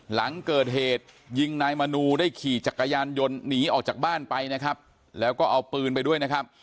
หลังเกิดเหตุยิงนายมนูได้ขี่จักรยานยนต์หนีออกจากบ้านไปนะครับแล้วก็เอาปืนไปด้วยนะครับ